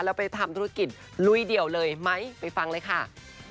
แล้วไปทำธุรกิจลุยเดี่ยวเลยไหมไปฟังเลยค่ะ